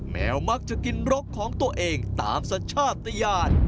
แมวมักจะกินรกของตัวเองตามสัญชาติยาน